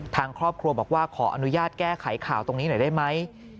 ทางครอบครัวบอกว่าขออนุญาตแก้ไขข่าวตรงนี้หน่อยได้ไหม